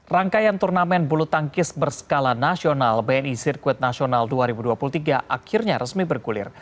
rangkaian turnamen bulu tangkis berskala nasional bni sirkuit nasional dua ribu dua puluh tiga akhirnya resmi bergulir